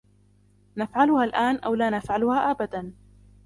نفعلها الآن أو لا نفعلها أبدا.